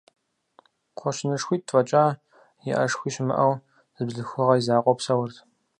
КхъуэщынышхуитӀ фӀэкӀа, иӀэшхуи щымыӀэу, зы бзылъхугъэ и закъуэу псэурт.